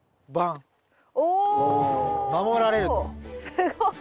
すごい。